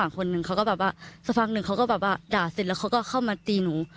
สฟังเขาแบบว่าเขาต้องด่าเสร็จแล้วเขาก็เข้ามาตีหนู